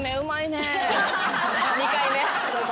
２回目。